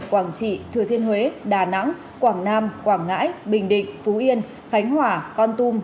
quảng trị thừa thiên huế đà nẵng quảng nam quảng ngãi bình định phú yên khánh hỏa con tum